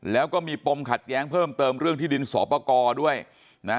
แล้วก็มีปมขัดแย้งเพิ่มเติมเรื่องที่ดินสอปกรด้วยนะ